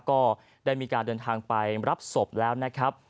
ก็ได้มีการเดินทางไปรับศพแล้วนะครับ